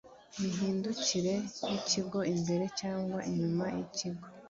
Mihindukire y ikigo imbere cyangwa inyuma y ikigo